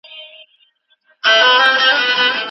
کمپيوټر چټ اداره کوي.